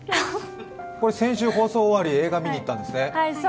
これ先週、放送終わり、映画を見にいったんですね？